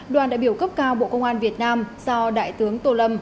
đoàn đại biểu cấp cao bộ công an việt nam do đại tướng tô lâm